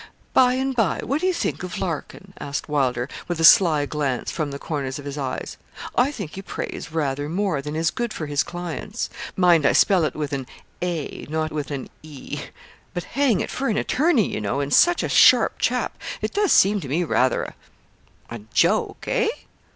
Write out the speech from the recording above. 'By and by; what do you think of Larkin?' asked Wylder, with a sly glance from the corners of his eyes. 'I think he prays rather more than is good for his clients; mind I spell it with an 'a,' not with an 'e;' but hang it, for an attorney, you know, and such a sharp chap, it does seem to me rather a a joke, eh?'